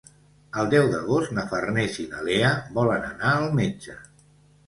El deu d'agost na Farners i na Lea volen anar al metge.